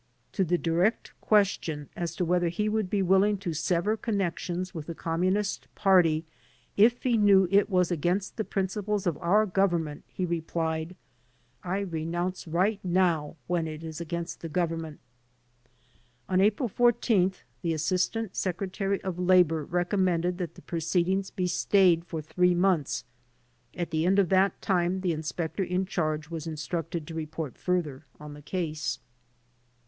To the direct question as to whether he would be willing to sever connections with the Communist Party if he knew it was against the principles of our Government he replied : "I renounce right now when it is against the Government." On April 14th the Assistant Secretary of Labor rec ommended that the proceedings be stayed for three months. At the end of that time the Inspector in charge was instructed to report further on the case.